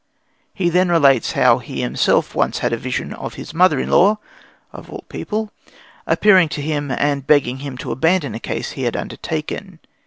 He then relates how he himself once had a vision of his mother in law, of all people, appearing to him and begging him to abandon a case he had undertaken.